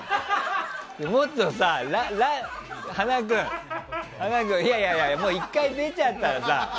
もっとさ、塙君いやいや１回出ちゃったらさ。